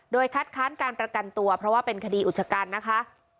โดยคัดค้านการประกันตัวเพราะว่าเป็นคดีอุชกันนะคะ